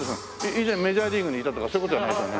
以前メジャーリーグにいたとかそういう事じゃないですよね？